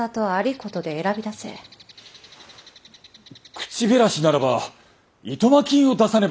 口減らしならば暇金を出さねば。